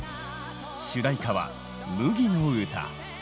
主題歌は「麦の唄」。